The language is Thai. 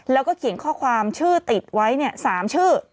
แล้วก็เขียนข้อความชื่อติดไว้๓ชื่อ